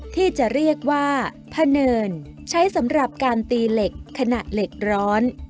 ที่จะเรียกว่าพะเนินใช้สำหรับการตีเหล็กขณะเหล็กร้อน